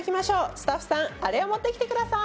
スタッフさんあれを持ってきてください！